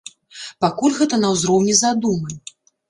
Пакуль гэта на ўзроўні задумы.